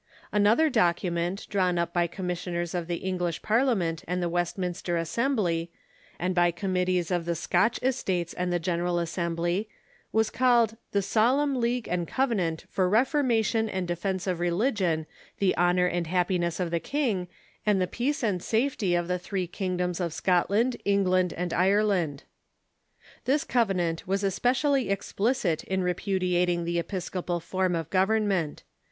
Another document, drawn up by commissioners of the Eng lish Parliament and the Westminster Assembly, and by com mittees of the Scotch Estates and the General Assembly, was called " The Solemn League and Covenant for Reformation and Defence of Religion, the Honor and Happiness of the King, and the Peace and Safety of the Three Kingdoms of Scotland, England, and Ireland." This covenant was especially explicit in repudiating the episcopal form of government.